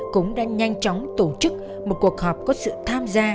cũng đã nhanh chóng tổ chức một cuộc họp có sự tham gia